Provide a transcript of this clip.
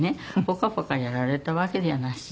ポカポカやられたわけじゃなし。